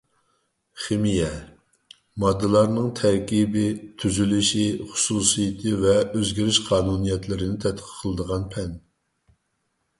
خىمىيە — ماددىلارنىڭ تەركىبى، تۈزۈلۈشى، خۇسۇسىيىتى ۋە ئۆزگىرىش قانۇنىيەتلىرىنى تەتقىق قىلىدىغان پەن.